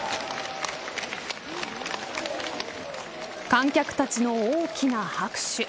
観客たちの大きな拍手。